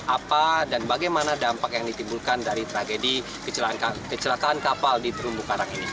apa dan bagaimana dampak yang ditimbulkan dari tragedi kecelakaan kapal di terumbu karang ini